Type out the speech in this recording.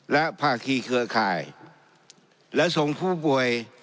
และภาคีเครือข่ายและส่งผู้ป่วย